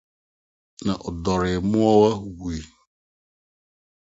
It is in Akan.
na ɔdɔree mmoawa wui. ”